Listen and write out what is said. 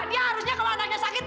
dia harusnya kalau anaknya sakit